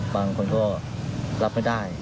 ้นเชิกก็รับไม่ได้